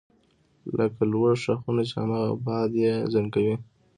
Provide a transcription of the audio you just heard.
لکه لوړ ښاخونه چې هماغه باد یې زنګوي